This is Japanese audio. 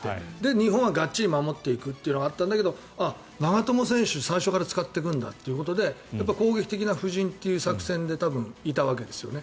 日本はがっちり守っていくというのがあったんだけど長友選手、最初から使ってくるんだって感じで攻撃的な布陣という作戦でいたわけですよね。